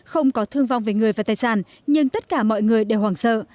không có thương vong về người và tài sản nhưng tất cả mọi người đều hoảng sợ